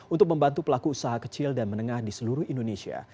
untuk membantu pelaku usaha kecil dan menengah di seluruh indonesia